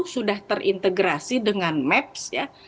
sudah terintegrasi dengan maps